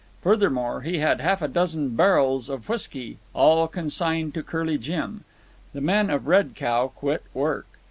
Furthermore, he had half a dozen barrels of whisky, all consigned to Curly Jim. The men of Red Cow quit work.